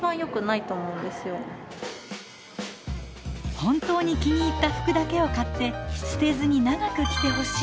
本当に気に入った服だけを買って捨てずに長く着てほしい。